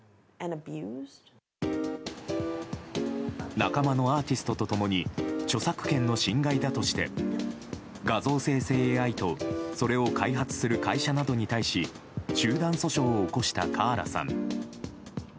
仲間のアーティストと共に著作権の侵害だとして画像生成ＡＩとそれを開発する会社などに対し集団訴訟を起こしたカーラさん。